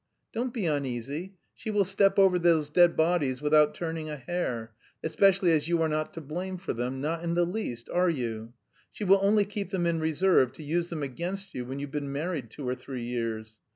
Don't be uneasy, she will step over those dead bodies without turning a hair especially as you are not to blame for them; not in the least, are you? She will only keep them in reserve to use them against you when you've been married two or three years.